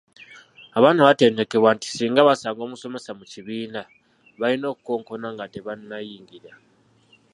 Abaana baatendekebwa nti singa basanga omusomesa mu kibiina, balina okukonkona nga tebannayingira.